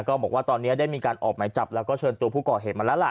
บอกว่าตอนนี้ได้มีการออกหมายจับแล้วก็เชิญตัวผู้ก่อเหตุมาแล้วล่ะ